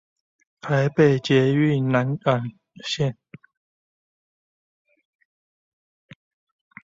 臺北捷運南港線